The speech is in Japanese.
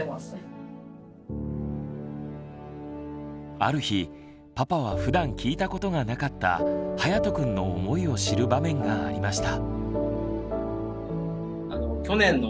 ある日パパはふだん聞いたことがなかったはやとくんの思いを知る場面がありました。